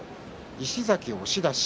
石崎、押し出し。